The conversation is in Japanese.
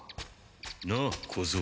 なあ小僧。